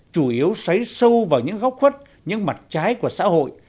chủ yếu xoáy sâu vào những góc khuất những mặt trái của xã hội